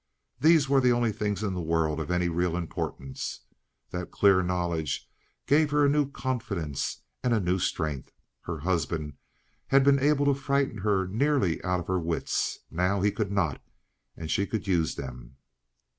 These were the only things in the world of any real importance. That clear knowledge gave her a new confidence and a new strength. Her husband had been able to frighten her nearly out of her wits. Now he could not; and she could use them.